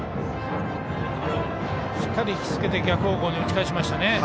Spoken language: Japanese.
しっかり引きつけて逆方向に打ち返しましたね。